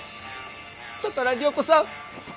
だから良子さん